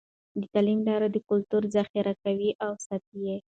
د تعلیم لاره د کلتور ذخیره کوي او ساتي.